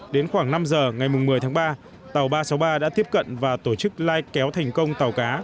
đến khoảng năm giờ ngày một mươi tháng ba tàu ba trăm sáu mươi ba đã tiếp cận và tổ chức lai kéo thành công tàu cá